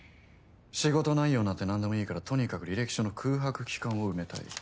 仕事内容なんて何でもいいからとにかく履歴書の空白期間を埋めたい。